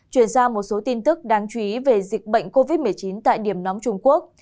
chuyển sang một số tin tức đáng chú ý về dịch bệnh covid một mươi chín tại điểm nóng trung quốc